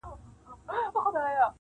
جوړ له انګورو څه پیاله ستایمه,